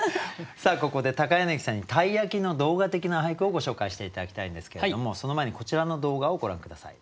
さあここで柳さんに鯛焼の動画的な俳句をご紹介して頂きたいんですけれどもその前にこちらの動画をご覧下さい。